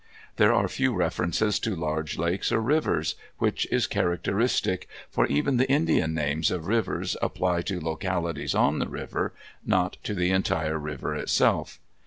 There are few references to large lakes or rivers, which is characteristic, for even the Indian names of rivers apply to localities on the river, not to the entire river itself.